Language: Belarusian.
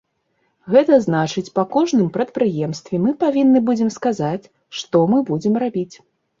Гэта значыць па кожным прадпрыемстве мы павінны будзем сказаць, што мы будзем рабіць.